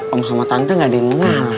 habis sama tante gak denger